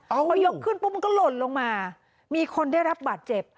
เขายกขึ้นปุ๊บมันก็หล่นลงมามีคนได้รับบาดเจ็บ